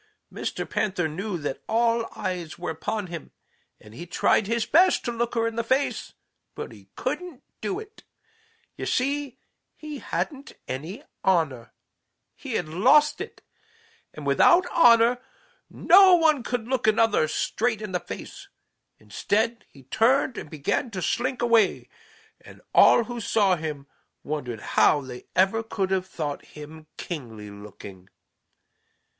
Mr. Panther knew that all eyes were upon him, and he tried his best to look her in the face, but he couldn't do it. You see, he hadn't any honor. He had lost it, and without honor no one can look another straight in the face. Instead he turned and began to slink away, and all who saw him wondered how they ever could have thought him kingly looking.